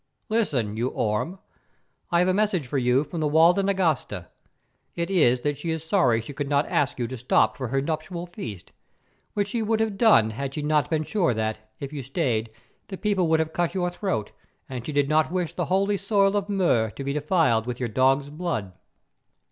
Listen, you Orme. I have a message for you from the Walda Nagasta. It is that she is sorry she could not ask you to stop for her nuptial feast, which she would have done had she not been sure that, if you stayed, the people would have cut your throat, and she did not wish the holy soil of Mur to be defiled with your dog's blood.